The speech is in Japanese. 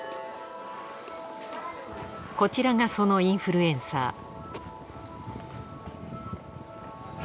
こちらがそのインフルエンサー